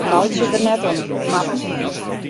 Wy laitsje der net om, Marten.